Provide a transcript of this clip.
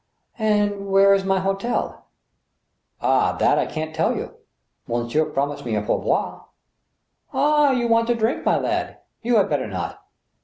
... And where is my hotel ?"" Ah ! that I can't tell you. .•. Monsieur promised me a pour boirer " Ah ! you want to drink, my lad } You had better not.